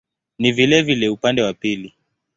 Ni vilevile upande wa pili.